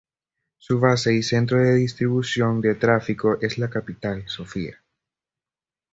Su base y centro de distribución de tráfico es la capital, Sofía.